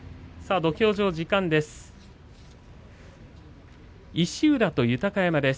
土俵上時間です。